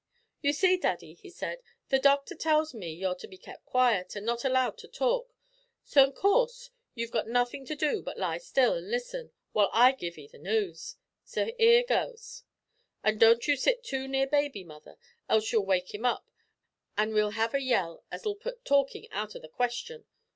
"You see, daddy," he said, "the doctor tells me you're to be kep' quiet, an' not allowed to talk, so in course you've got nothin' to do but lie still an' listen while I give 'ee the noos. So 'ere goes. An' don't you sit too near baby, mother, else you'll wake 'im up, an' we'll have a yell as'll put talkin' out o' the question.